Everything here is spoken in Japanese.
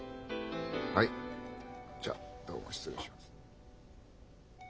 じゃあどうも失礼します。